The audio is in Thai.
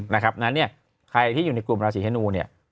ดังนั้นเนี่ยใครที่อยู่ในกลุ่มราศีธนูเนี่ย